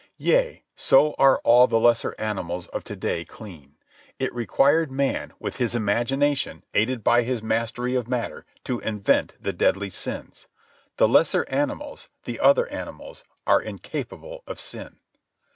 Yea, so are all the lesser animals of to day clean. It required man, with his imagination, aided by his mastery of matter, to invent the deadly sins. The lesser animals, the other animals, are incapable of sin.